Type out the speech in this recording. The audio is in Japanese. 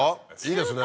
いいですね。